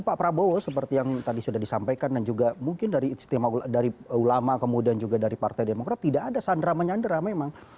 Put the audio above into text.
pak prabowo seperti yang tadi sudah disampaikan dan juga mungkin dari istimewa ulama dari ulama kemudian juga dari partai demokrat tidak ada sandra menyandera memang